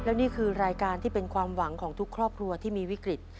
และนี่คือรายการที่เป็นความหวังของทุกครอบครัวที่มีวิกฤต